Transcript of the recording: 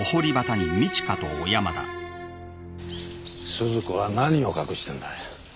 鈴子は何を隠してんだ？